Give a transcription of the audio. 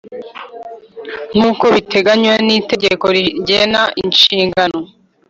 Nkuko biteganywa n itegeko rigena inshingano